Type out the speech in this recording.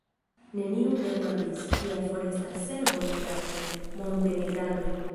Neniu demandis, kial forestas serboj kaj montenegranoj.